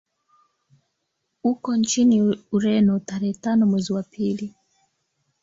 Uko nchini Ureno tarehe tano mwezi wa pili